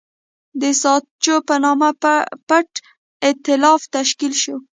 د ساتچو په نامه پټ اېتلاف تشکیل شو.